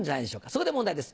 そこで問題です。